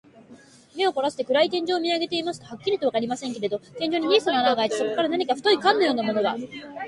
目をこらして、暗い天井を見あげていますと、はっきりとはわかりませんけれど、天井に小さな穴がひらいて、そこから何か太い管のようなものが、